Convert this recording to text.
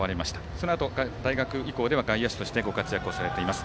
そのあと、大学以降では外野手としてご活躍をされています。